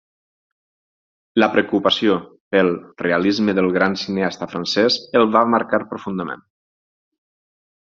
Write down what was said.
La preocupació pel realisme del gran cineasta francès el va marcar profundament.